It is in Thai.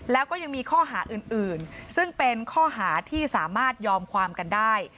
แล้วก็ยังมีข้อหาอื่นซึ่งเป็นข้อหาที่สามารถยอมความกันได้